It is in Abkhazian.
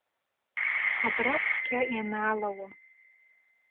Абра цқьа ианаалауам.